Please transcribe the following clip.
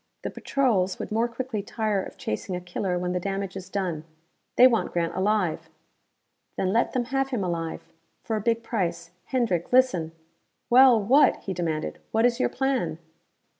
The patrols would more quickly tire of chasing a killer when the damage is done. They want Grant alive." "Then let them have him alive for a big price. Hendrick, listen " "Well, what?" he demanded again. "What is your plan?"